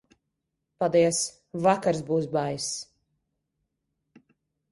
Paldies, vakars būs baiss.